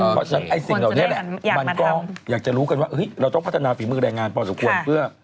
เพราะฉะนั้นไอ้สิ่งเหล่านี้แหละมันก็อยากจะรู้กันว่าเราต้องพัฒนาฝีมือแรงงานพอสมควรเพื่อ